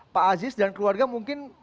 pak aziz dan keluarga mungkin